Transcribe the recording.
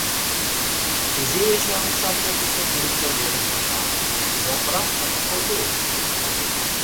Изи йоча умша кӧргысӧ киндыжым нелын колта, «Заправка на ходу» ышталеш.